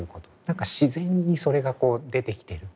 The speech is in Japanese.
何か自然にそれがこう出てきてる。